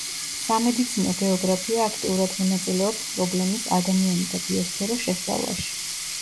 სამედიცინო გეოგრაფია აქტიურად მონაწილეობს პრობლემის „ადამიანი და ბიოსფერო“ შესწავლაში.